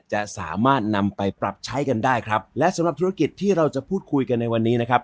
จะสามารถนำไปปรับใช้กันได้ครับและสำหรับธุรกิจที่เราจะพูดคุยกันในวันนี้นะครับ